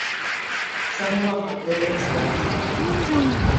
Sāŋ wam a bɛr ŋ̀koŋ.